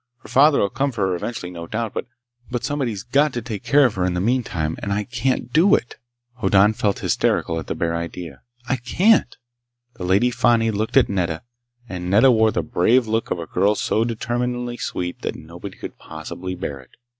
Her father'll come for her eventually, no doubt, but somebody's got to take care of her in the meantime, and I can't do it!" Hoddan felt hysterical at the bare idea. "I can't!" The Lady Fani looked at Nedda. And Nedda wore the brave look of a girl so determinedly sweet that nobody could possibly bear it.